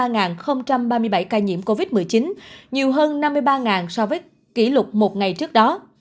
nhiều hơn năm mươi ba ca nhiễm covid một mươi chín nhiều hơn năm mươi ba so với kỷ lục một ngày trước đó